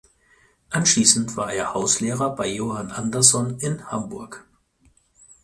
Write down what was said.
Anschließend war er Hauslehrer bei Johann Anderson in Hamburg.